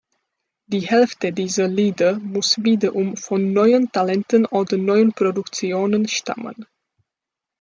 Die Hälfte dieser Lieder muss wiederum „von neuen Talenten oder neuen Produktionen“ stammen.